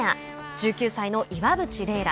１９歳の岩渕麗楽。